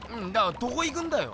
どこ行くんだよ。